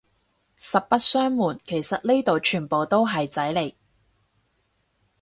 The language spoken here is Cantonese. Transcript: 實不相暪，其實呢度全部都係仔嚟